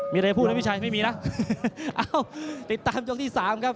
มีอะไรพูดนะพี่ชัยไม่มีนะเอ้าติดตามยกที่สามครับ